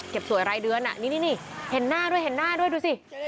สวยรายเดือนนี่เห็นหน้าด้วยเห็นหน้าด้วยดูสิ